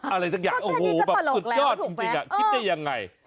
อะไรสักอย่างโอ้โหแบบสุดยอดจริงคิดได้ยังไง